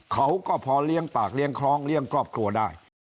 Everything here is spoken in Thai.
เขาก็พอเลี้ยงปากเลี้ยงคล้องเลี้ยงครอบครัวได้